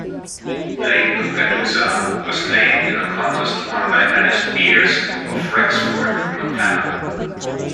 Lake Koocanusa was named in a contest won by Alice Beers of Rexford, Montana.